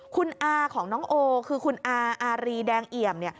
คุณอาของน้องโอคือคุณอารีแดงเอี่ยม